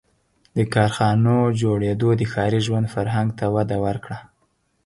• د کارخانو جوړېدو د ښاري ژوند فرهنګ ته وده ورکړه.